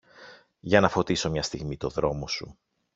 Για να φωτίσω μια στιγμή το δρόμο σου